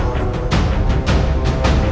mas rasha tunggu